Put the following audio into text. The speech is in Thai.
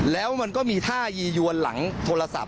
แล้วมันก็มีท่ายียวนหลังโทรศัพท์